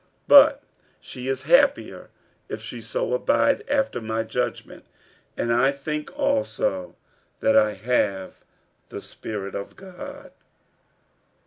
46:007:040 But she is happier if she so abide, after my judgment: and I think also that I have the Spirit of God.